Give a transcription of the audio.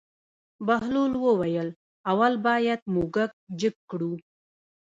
بهلول وویل: اول باید موږک جګ کړو.